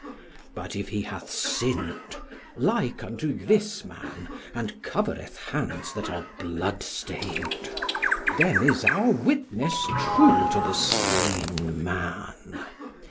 "But if he hath sinned, like unto this man, and covereth hands that are blood stained: then is our witness true to the slain man.